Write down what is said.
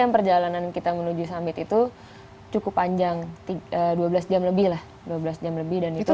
perjalanan kita menuju summit itu cukup panjang dua belas jam lebih lah dua belas jam lebih dan itu